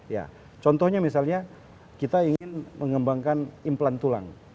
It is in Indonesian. ya contohnya misalnya kita ingin mengembangkan implan tulang